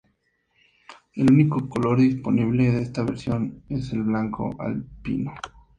El único color disponible de esta versión es el Blanco Alpino.